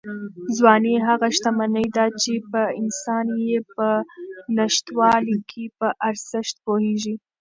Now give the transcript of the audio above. ځواني هغه شتمني ده چې انسان یې په نشتوالي کې په ارزښت پوهېږي.